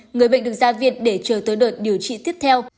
người bệnh được ra viện để chờ tới đợt điều trị tiếp theo